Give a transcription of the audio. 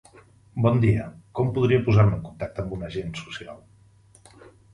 Bon dia, com podria posar-me en contacte amb un agent social?